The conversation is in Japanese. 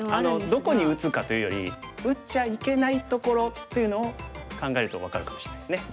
どこに打つかというより打っちゃいけないところっていうのを考えると分かるかもしれないですね。